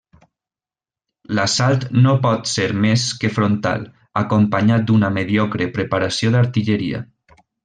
L'assalt no pot ser més que frontal, acompanyat d'una mediocre preparació d'artilleria.